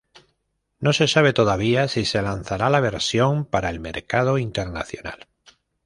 No se sabe todavía si se lanzará la versión para el mercado internacional.